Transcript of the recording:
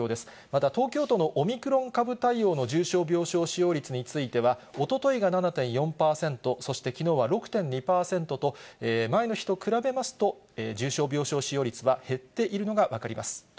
また東京都のオミクロン株対応の重症病床使用率については、おとといが７．４％、そしてきのうは６．２％と、前の日と比べますと、重症病床使用率は減っているのが分かります。